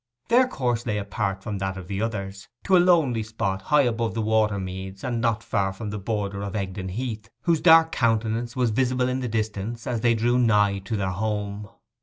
Their course lay apart from that of the others, to a lonely spot high above the water meads, and not far from the border of Egdon Heath, whose dark countenance was visible in the distance as they drew nigh to their home.